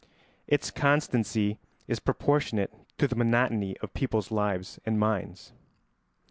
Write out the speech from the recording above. Its constancy is proportionate to the monotony of people's lives and minds.